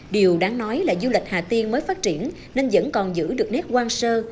điều đáng nói là du lịch hà tiên mới phát triển nên vẫn còn giữ được nét quang sơ